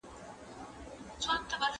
افغانستان له نړیوالو تړونونو څخه ګټه نه اخلي.